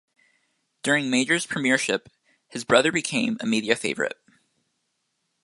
During Major's premiership his brother became a media favourite.